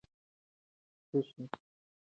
څه شی د هغې نقش تاییدوي؟